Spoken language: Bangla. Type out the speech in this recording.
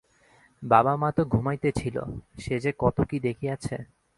বাবা মা তো ঘুমাইতেছিল-সে যে কত কি দেখিয়াছে।